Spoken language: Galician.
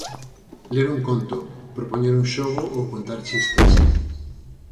Ler un conto, propoñer un xogo ou contar chistes.